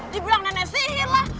dibilang nenek sihir lah